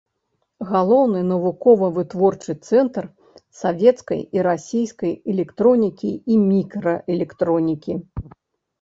Галоўны навукова-вытворчы цэнтр савецкай і расійскай электронікі і мікраэлектронікі.